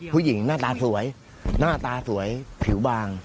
ผู้หญิงหน้าตาสวยหน้าตาสวยผิวบาง